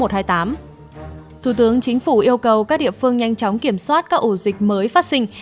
thủ tướng chính phủ yêu cầu các địa phương nhanh chóng kiểm soát các ổ dịch mới phát sinh